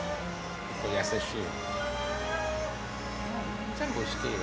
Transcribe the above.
優しいよ。